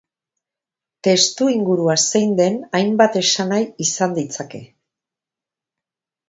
Testuingurua zein den hainbat esanahi izan ditzake.